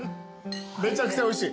めちゃくちゃおいしい。